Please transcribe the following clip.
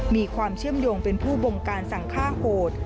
มีความเชื่อมโยงเป็นผู้บงการสั่งฆ่าโหด